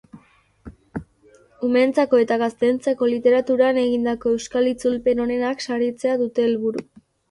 Umeentzako eta gazteentzako literaturan egindako euskal itzulpen onenak saritzea dute helburu.